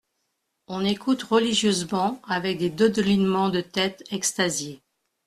On écoute religieusement avec des dodelinements de tête extasiés.